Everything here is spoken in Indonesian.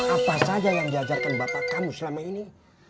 apa saja yang diajarkan bapak kamu selama ini